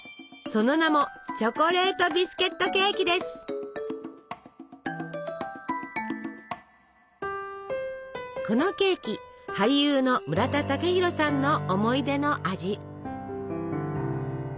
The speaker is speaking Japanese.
その名もこのケーキ俳優の村田雄浩さんの思い出の味。